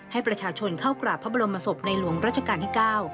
ให้ประชาชนเข้ากราบพระบรมศพในหลวงรัชกาลที่๙